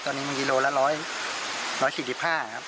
ตอนนี้มันกี่โลละร้อย๑๔๕ครับ